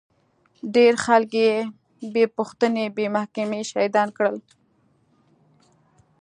ډېر خلک يې بې پوښتنې بې محکمې شهيدان کړل.